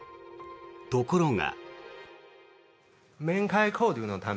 ところが。